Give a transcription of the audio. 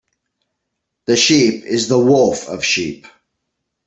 The sheep is the wolf of sheep.